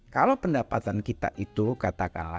kalau pendapatan kita itu kata om alek